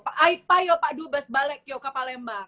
aipa yo pak dubes balek yo ke palembang